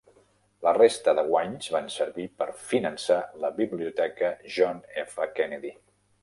La resta de guanys van servir per finançar la biblioteca John F. Kennedy.